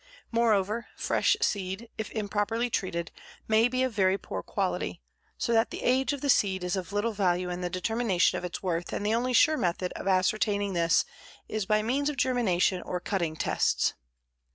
Moreover, fresh seed, if improperly treated, may be of very poor quality, so that the age of the seed is of little value in the determination of its worth and the only sure method of ascertaining this is by means of germination or cutting tests.